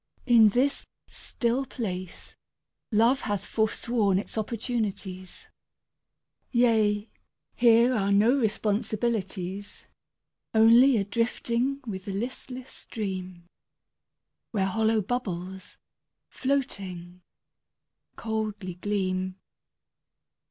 In this still place Love hath forsworn its opportunities. Yea, here are no responsibilities. Only a drifting with the listless stream Where hollow bubbles, floating, coldly gleam.